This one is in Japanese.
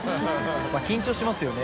緊張しますよね。